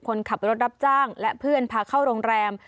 คนขับรถรับจ้างและเพื่อนพาเข้าโรงแรม